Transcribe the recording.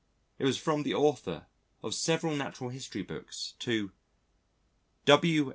It was from the author of several natural history books, to "W.